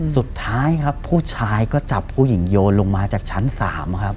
สุดท้ายครับผู้ชายก็จับผู้หญิงโยนลงมาจากชั้น๓ครับ